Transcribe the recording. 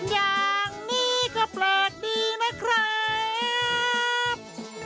อย่างนี้ก็แปลกดีนะครับ